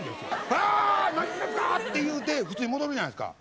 わー、なんでですかって言うて、普通に戻るじゃないですか。